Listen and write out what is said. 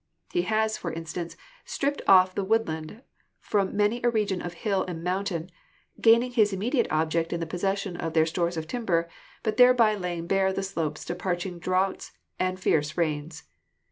He has, for instance, stripped off the woodland from many a region of hill and mountain, gaining his immediate object in the possession of their stores of timber, but thereby laying bare the slopes to parching droughts or fierce rains.